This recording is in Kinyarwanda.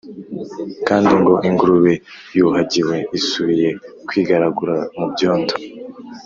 kandi ngo, Ingurube yuhagiwe isubiye kwigaragura mu byondo